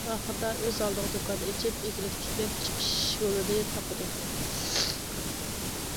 ئاخىرىدا ئۆز ئالدىغا دۇكان ئېچىپ ئىگىلىك تىكلەپ چىقىش يولىنى تاپىدۇ.